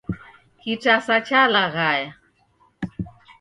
Kitasa chalaghaya